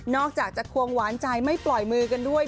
อกจากจะควงหวานใจไม่ปล่อยมือกันด้วย